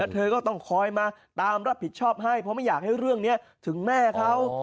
เธอก็ต้องคอยมาตามรับผิดชอบให้เพราะไม่อยากให้เรื่องนี้ถึงแม่เขา